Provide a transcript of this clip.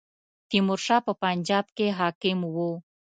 تیمور شاه په پنجاب کې حاکم وو.